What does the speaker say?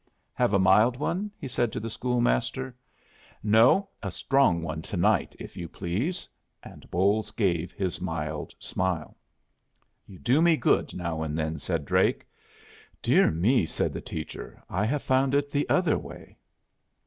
"Have a mild one?" he said to the schoolmaster. "No, a strong one to night, if you please." And Bolles gave his mild smile. "You do me good now and then," said Drake. "Dear me," said the teacher, "I have found it the other way."